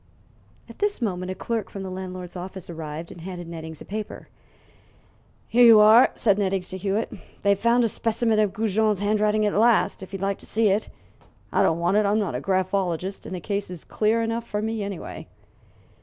At this moment a clerk from the landlord's office arrived and handed Nettings a paper. "Here you are," said Nettings to Hewitt; "they've found a specimen of Goujon's handwriting at last, if you'd like to see it. I don't want it; I'm not a graphologist, and the case is clear enough for me anyway."